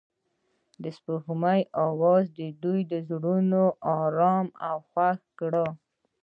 د سپوږمۍ اواز د دوی زړونه ارامه او خوښ کړل.